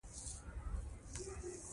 اوس دغه کوټې ځکه ړنګې پرتې دي.